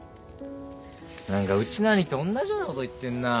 何かうちの兄貴と同じようなこと言ってんなぁ。